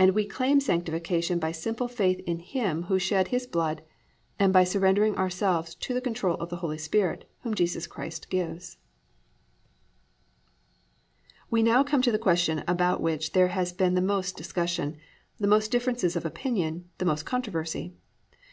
And we claim sanctification by simple faith in Him who shed His blood and by surrendering ourselves to the control of the Holy Spirit, Whom Jesus Christ gives. III. WHEN DOES SANCTIFICATION TAKE PLACE We now come to the question about which there has been the most discussion, the most differences of opinion, the most controversy.